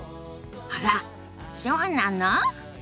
あらっそうなの？